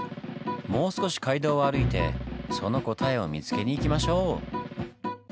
もう少し街道を歩いてその答えを見つけに行きましょう！